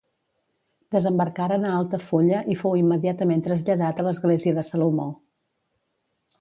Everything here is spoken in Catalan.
Desembarcaren a Altafulla i fou immediatament traslladat a l'església de Salomó.